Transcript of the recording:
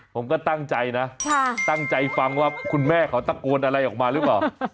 ผมก็ตั้งใจนะตั้งใจฟังว่าคุณแม่เขาตะโกนอะไรออกมาหรือเปล่า